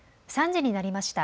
３時になりました。